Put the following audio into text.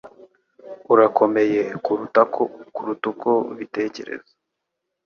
Urakomeye kuruta uko ubitekereza.